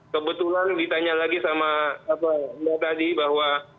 kebetulan ditanya lagi sama mbak tadi bahwa